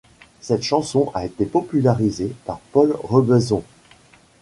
Cette chanson a été popularisée par Paul Robeson.